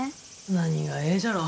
何がええじゃろう。